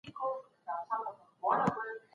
اکثریت خلک چي په دلارام کي اوسیږي پښتانه دي